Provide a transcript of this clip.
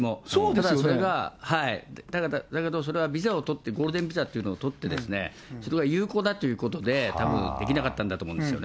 ただそれが、だけどそれは、ビザを取って、ゴールデンビザというのを取って、それが有効だということで、たぶんできなかったんだと思うんですよね。